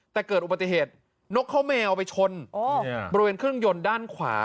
แต่เกิดอุบัติเหตุนกข้าวแมวไปชนบริเวณเครื่องยนต์ด้านขวา